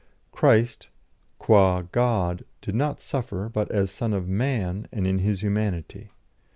Christ, quâ God, did not suffer, but as Son of Man and in His humanity.